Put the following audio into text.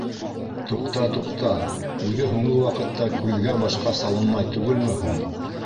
Туҡта-туҡта, үҙе һуңғы ваҡытта күҙгә-башҡа салынмай түгелме һуң?